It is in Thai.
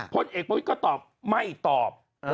พลเอกประวิทย์ก็ตอบไม่ตอบ